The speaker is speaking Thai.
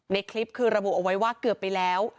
ในคลิปคือระบุเอาไว้ว่าเกือบไปแล้ว